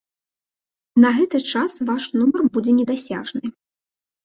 На гэты час ваш нумар будзе недасяжны.